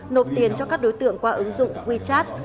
nộp tiền cho các đối tượng qua ứng dụng wechat